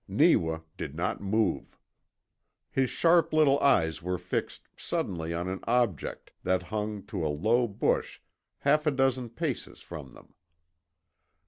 Neewa did not move. His sharp little eyes were fixed suddenly on an object that hung to a low bush half a dozen paces from them.